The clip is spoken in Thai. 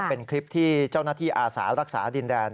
เป็นคลิปที่เจ้าหน้าที่อาสารักษาดินแดน